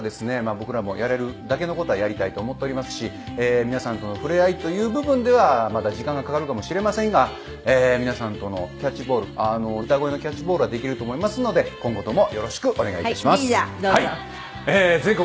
僕らもやれるだけの事はやりたいと思っておりますし皆さんとのふれあいという部分ではまだ時間がかかるかもしれませんが皆さんとのキャッチボール歌声のキャッチボールはできると思いますので今後ともよろしくお願いいたします。